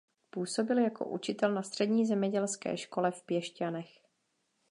Působil jako učitel na Střední zemědělské škole v Piešťanech.